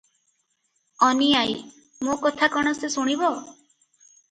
ଅନୀ ଆଈ - ମୋ କଥା କଣ ସେ ଶୁଣିବ?